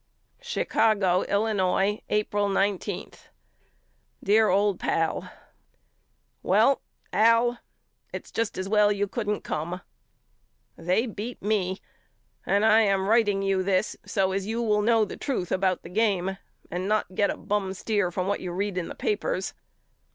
Chicago, Illinois, April ig. DEAR OLD PAL: Well Al it's just as well you couldn't come. They beat me and I am writ ing you this so as you will know the truth about 38 YOU KNOW ME AL the game and not get a bum steer from what you read in the papers.